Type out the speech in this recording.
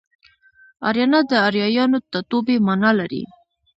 اریانا د اریایانو ټاټوبی مانا لري